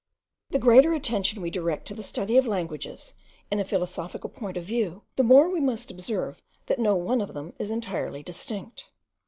The greater attention we direct to the study of languages in a philosophical point of view, the more we must observe that no one of them is entirely distinct.